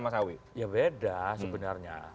mas awi ya beda sebenarnya